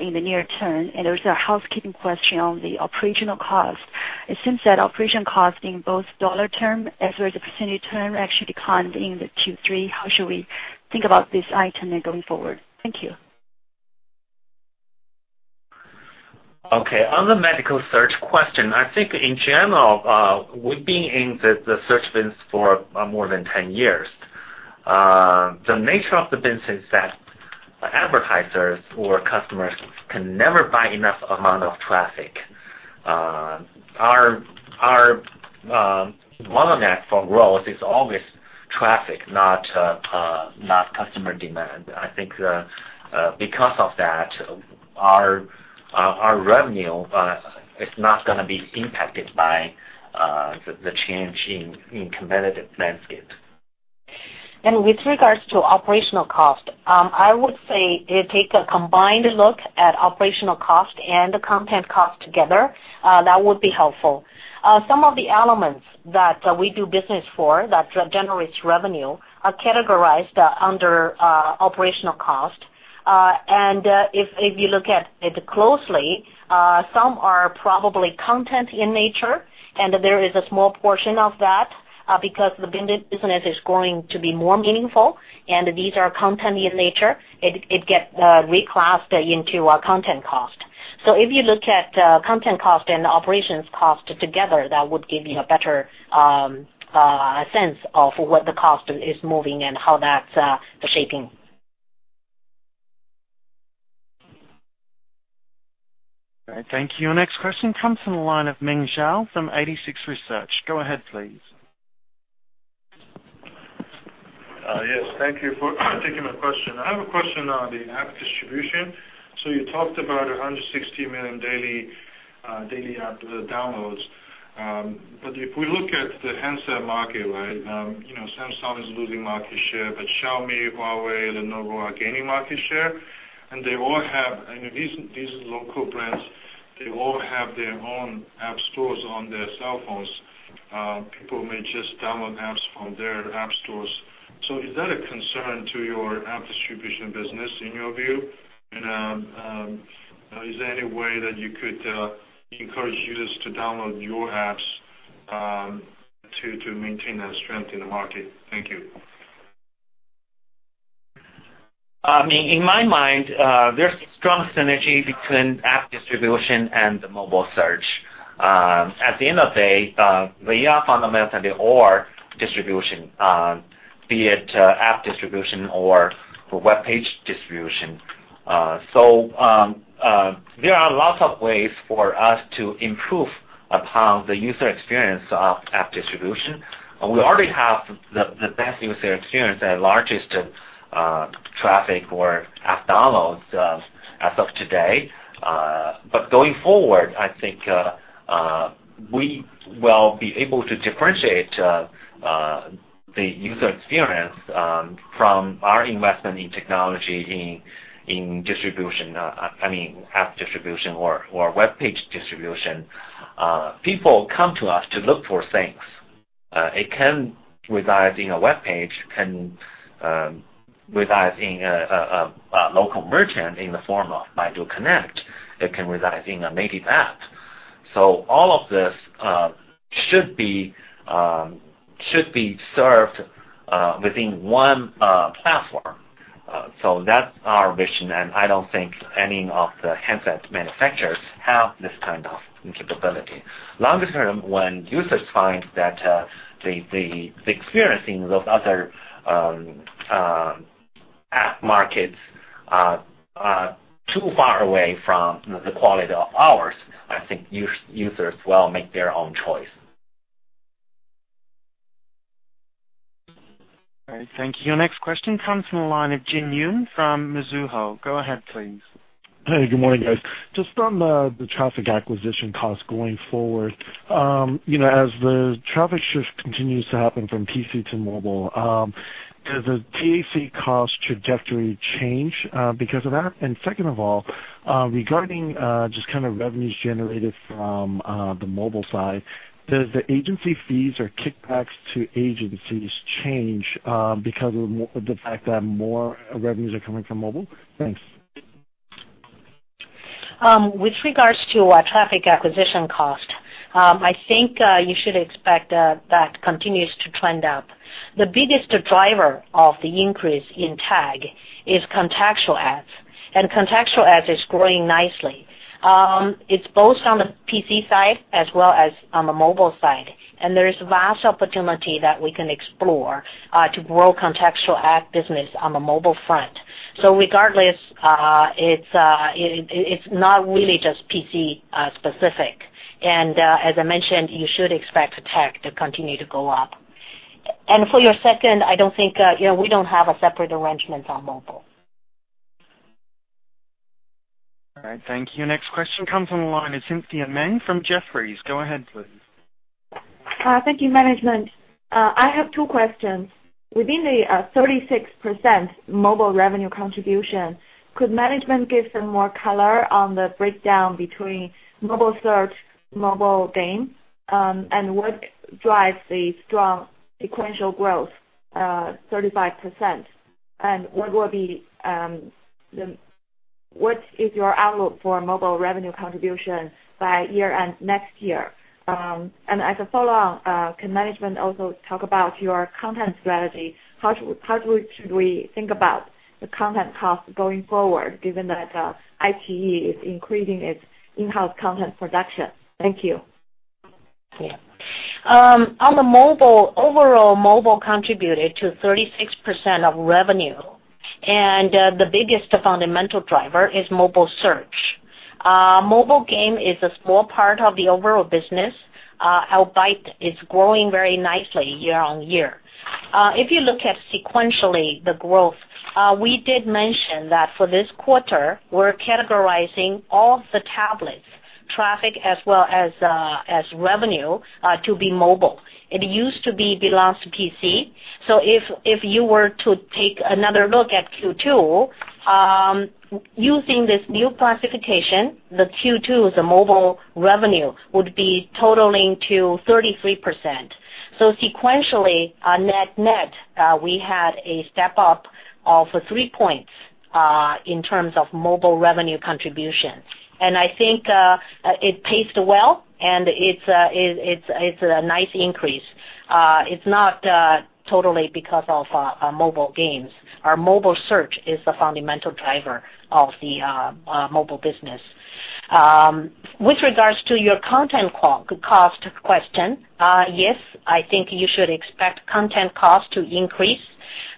in the near term? There's a housekeeping question on the operational cost. It seems that operational cost in both CNY term as well as a percentage term actually declined in the Q3. How should we think about this item then going forward? Thank you. Okay. On the medical search question, I think in general, we've been in the search business for more than 10 years. The nature of the business is that advertisers or customers can never buy enough amount of traffic. Our bottleneck for growth is always traffic, not customer demand. I think because of that, our revenue is not going to be impacted by the change in competitive landscape. With regards to operational cost, I would say take a combined look at operational cost and the content cost together. That would be helpful. Some of the elements that we do business for that generates revenue are categorized under operational cost. If you look at it closely, some are probably content in nature, and there is a small portion of that because the business is going to be more meaningful, and these are content in nature. It gets reclassed into a content cost. If you look at content cost and operations cost together, that would give you a better sense of what the cost is moving and how that's shaping. All right, thank you. Next question comes from the line of Ming Zhao from 86Research. Go ahead, please. Yes, thank you for taking my question. I have a question on the app distribution. You talked about 160 million daily app downloads. If we look at the handset market, Samsung is losing market share, Xiaomi, Huawei, Lenovo are gaining market share. These local brands, they all have their own app stores on their cell phones. People may just download apps from their app stores. Is that a concern to your app distribution business in your view? Is there any way that you could encourage users to download your apps to maintain that strength in the market? Thank you. Ming Zhao, in my mind, there's strong synergy between app distribution and mobile search. At the end of the day, we are fundamentally all distribution, be it app distribution or webpage distribution. There are lots of ways for us to improve upon the user experience of app distribution. We already have the best user experience and largest traffic or app downloads as of today. Going forward, I think we will be able to differentiate the user experience from our investment in technology, in app distribution or webpage distribution. People come to us to look for things. It can reside in a webpage, can reside in a local merchant in the form of Baidu CarLife. It can reside in a native app. All of this should be served within one platform. That's our vision, and I don't think any of the handset manufacturers have this kind of capability. Longer term, when users find that the experience in those other app markets are too far away from the quality of ours, I think users will make their own choice. All right. Thank you. Next question comes from the line of Jin Yoon from Mizuho. Go ahead, please. Hey, good morning, guys. Just on the traffic acquisition cost going forward. As the traffic shift continues to happen from PC to mobile, does the TAC cost trajectory change because of that? Second of all, regarding just revenues generated from the mobile side, does the agency fees or kickbacks to agencies change because of the fact that more revenues are coming from mobile? Thanks. With regards to our traffic acquisition cost, I think you should expect that continues to trend up. The biggest driver of the increase in TAC is contextual ads, and contextual ads is growing nicely. It's both on the PC side as well as on the mobile side, and there is vast opportunity that we can explore to grow contextual ad business on the mobile front. Regardless, it's not really just PC specific. As I mentioned, you should expect TAC to continue to go up. For your second, we don't have a separate arrangement on mobile. All right. Thank you. Next question comes from the line of Cynthia Meng from Jefferies. Go ahead, please. Thank you, management. I have two questions. Within the 36% mobile revenue contribution, could management give some more color on the breakdown between mobile search, mobile game, and what drives the strong sequential growth, 35%? What is your outlook for mobile revenue contribution by year-end next year? As a follow-on, can management also talk about your content strategy? How should we think about the content cost going forward, given that iQIYI is increasing its in-house content production? Thank you. On the mobile, overall mobile contributed to 36% of revenue, and the biggest fundamental driver is mobile search. Mobile game is a small part of the overall business, albeit it's growing very nicely year on year. If you look at sequentially the growth, we did mention that for this quarter, we're categorizing all of the tablets traffic as well as revenue to be mobile. It used to be belongs to PC. If you were to take another look at Q2, using this new classification, the Q2, the mobile revenue would be totaling to 33%. Sequentially, net, we had a step up of three points in terms of mobile revenue contribution. I think it paced well, and it's a nice increase. It's not totally because of mobile games. Our mobile search is the fundamental driver of the mobile business. With regards to your content cost question, yes, I think you should expect content cost to increase.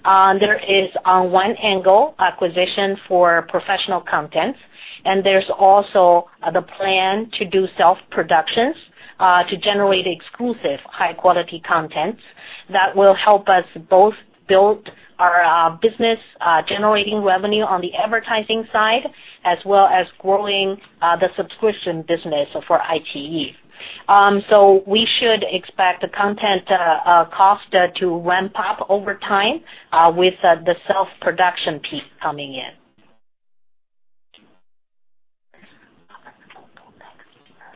There is, on one angle, acquisition for professional content, and there's also the plan to do self-productions to generate exclusive high-quality content that will help us both build our business, generating revenue on the advertising side, as well as growing the subscription business for iQIYI. We should expect the content cost to ramp up over time with the self-production piece coming in.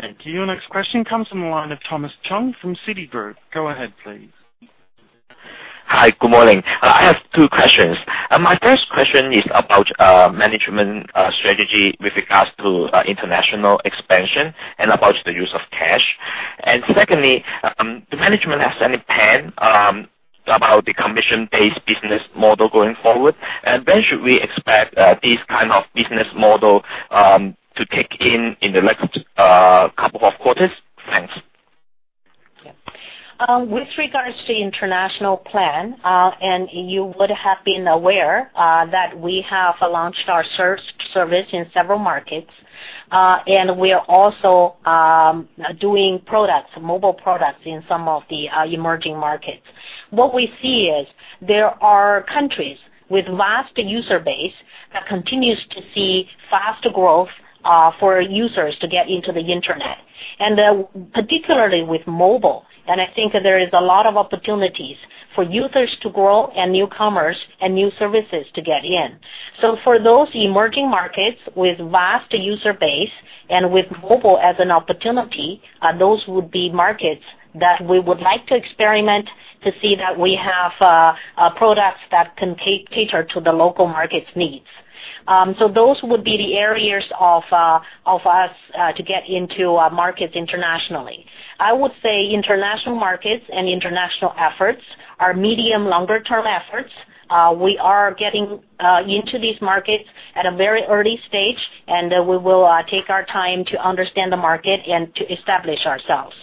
Thank you. Next question comes from the line of Thomas Chong from Citigroup. Go ahead, please. Hi, good morning. I have two questions. My first question is about management strategy with regards to international expansion and about the use of cash. Secondly, does management have any plan about the commission-based business model going forward? When should we expect this kind of business model to kick in the next couple of quarters? Thanks. With regards to international plan, you would have been aware that we have launched our search service in several markets, and we are also doing products, mobile products in some of the emerging markets. What we see is there are countries with vast user base that continues to see faster growth for users to get into the internet, and particularly with mobile. I think there is a lot of opportunities for users to grow and newcomers and new services to get in. For those emerging markets with vast user base and with mobile as an opportunity, those would be markets that we would like to experiment to see that we have products that can cater to the local market's needs. Those would be the areas of us to get into markets internationally. I would say international markets and international efforts are medium longer term efforts. We are getting into these markets at a very early stage, we will take our time to understand the market and to establish ourselves.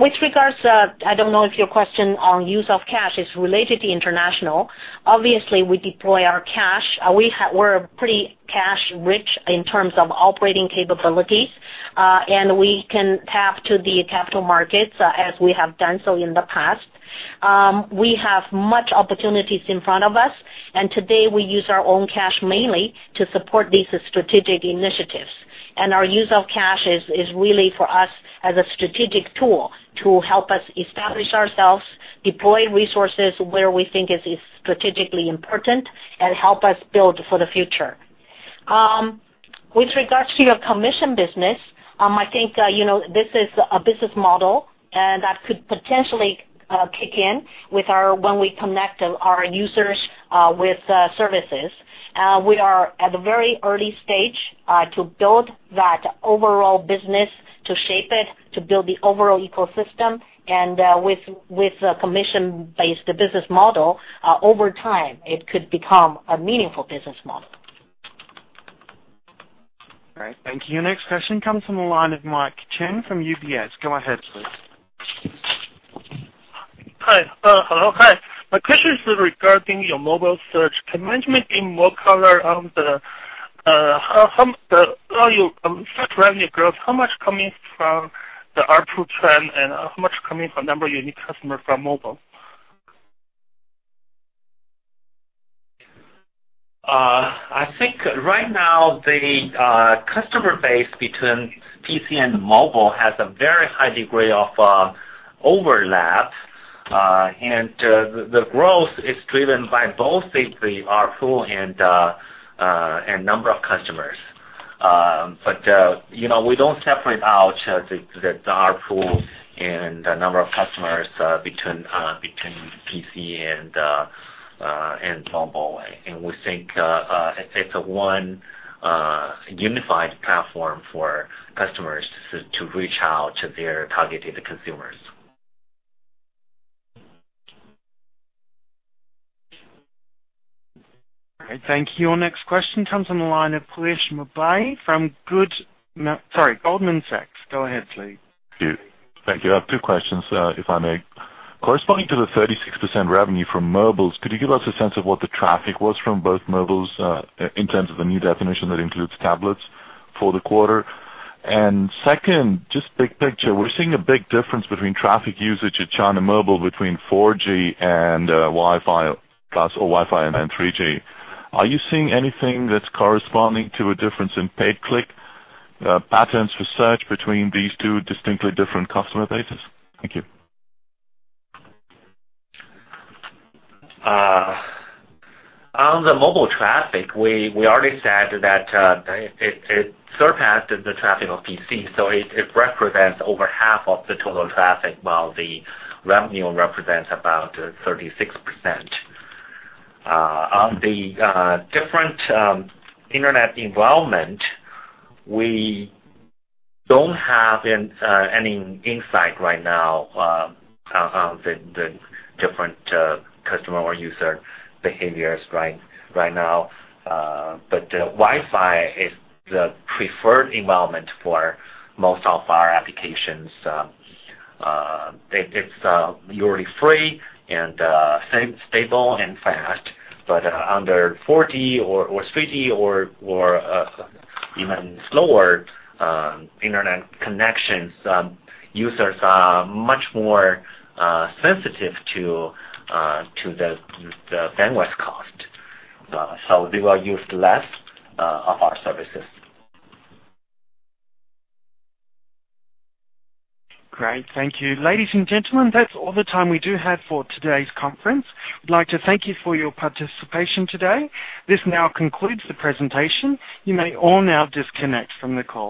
With regards, I don't know if your question on use of cash is related to international. Obviously, we deploy our cash. We're pretty cash rich in terms of operating capabilities, and we can tap to the capital markets as we have done so in the past. We have much opportunities in front of us, today we use our own cash mainly to support these strategic initiatives. Our use of cash is really for us as a strategic tool to help us establish ourselves, deploy resources where we think is strategically important, and help us build for the future. With regards to your commission business, I think, this is a business model and that could potentially kick in when we connect our users with services. We are at the very early stage to build that overall business, to shape it, to build the overall ecosystem, with a commission-based business model, over time, it could become a meaningful business model. All right. Thank you. Next question comes from the line of Mark Chen from UBS. Go ahead, please. Hi. Hello. Hi. My question is regarding your mobile search. Can management give more color on your search revenue growth, how much coming from the ARPU trend and how much coming from number unique customer from mobile? I think right now the customer base between PC and mobile has a very high degree of overlap. The growth is driven by both ARPU and number of customers. We don't separate out the ARPU and the number of customers between PC and mobile. We think it's a one unified platform for customers to reach out to their targeted consumers. All right, thank you. Our next question comes on the line of Piyush Mubayi from Goldman Sachs. Go ahead, please. Thank you. I have two questions, if I may. Corresponding to the 36% revenue from mobiles, could you give us a sense of what the traffic was from both mobiles, in terms of the new definition that includes tablets, for the quarter? Second, just big picture, we're seeing a big difference between traffic usage at China Mobile between 4G and Wi-Fi, plus or Wi-Fi and then 3G. Are you seeing anything that's corresponding to a difference in paid click patterns for search between these two distinctly different customer bases? Thank you. On the mobile traffic, we already said that it surpassed the traffic of PC, it represents over half of the total traffic, while the revenue represents about 36%. On the different internet environment, we don't have any insight right now on the different customer or user behaviors right now. Wi-Fi is the preferred environment for most of our applications. It's usually free and stable and fast, under 4G or 3G or even slower internet connections, users are much more sensitive to the bandwidth cost, they will use less of our services. Great, thank you. Ladies and gentlemen, that's all the time we do have for today's conference. We'd like to thank you for your participation today. This now concludes the presentation. You may all now disconnect from the call.